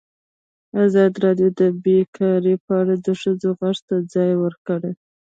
ازادي راډیو د بیکاري په اړه د ښځو غږ ته ځای ورکړی.